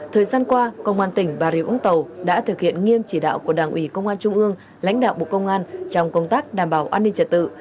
thời gian qua công an tỉnh bà rịa vũng tàu đã thực hiện nghiêm chỉ đạo của đảng ủy công an trung ương lãnh đạo bộ công an trong công tác đảm bảo an ninh trật tự